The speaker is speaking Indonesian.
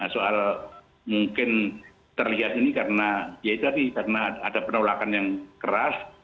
soal mungkin terlihat ini karena ya tadi karena ada penolakan yang keras